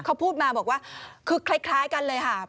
เขาพูดมาบอกว่าคือคล้ายกันเลยค่ะ